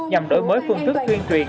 nhằm đổi mới phương thức tuyên truyền